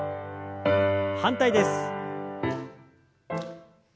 反対です。